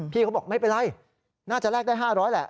พี่เขาบอกไม่เป็นไรน่าจะแลกได้๕๐๐แหละ